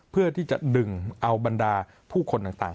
เพื่อที่จะดึงเอาบรรดาผู้คนต่าง